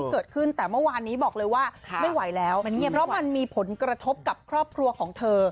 เกิดขึ้นแต่เมื่อวานนี้บอกเลยว่าไม่ไหวแล้วเพราะมันมีผลกระทบกับครอบครัวของเธอ